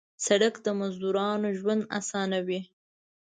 سړک د مزدورانو ژوند اسانوي.